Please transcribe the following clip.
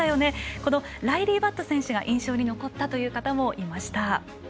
このライリー・バット選手が印象に残ったという方もいました。